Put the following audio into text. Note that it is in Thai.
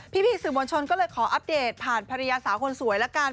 พี่สื่อมวลชนก็เลยขออัปเดตผ่านภรรยาสาวคนสวยละกัน